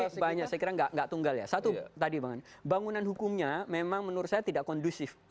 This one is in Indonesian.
ya banyak saya kira nggak tunggal ya satu tadi bang bangunan hukumnya memang menurut saya tidak kondusif